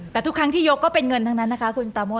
แต่ทุกครั้งที่ยกก็เป็นเงินทั้งนั้นนะคะคุณปราโมท